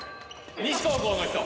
西高校の人。